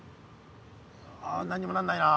あ何にもなんないな。